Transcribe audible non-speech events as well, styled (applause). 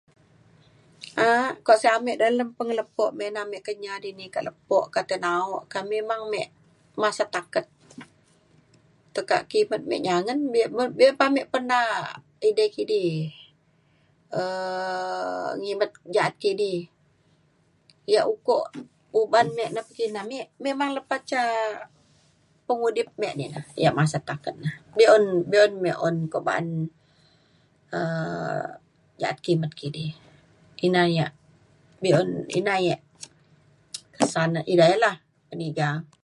a’ak kuak sek ame dalem pengelepo me na me Kenyah dini kak lepo kak tai na’o ka memang me masat taket tekak kimet me nyangen be be pa ame perna edei kidi um ngimet ja’at kidi. yak ukok uban me kimet ame memang lepa ca pengudip me di na yak masat taket na. be’un be’un me un kuak ba’an um ja’at kimet kidi ina yak be’un ina yak (unintelligible) edai lah peniga.